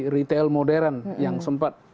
retail modern yang sempat